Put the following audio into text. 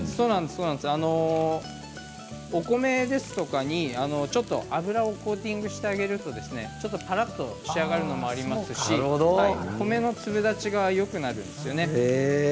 そうなんですよお米ですとかに油をコーティングしてあげるとぱらっと仕上がるのもありますし米の粒立ちがよくなるんですよね。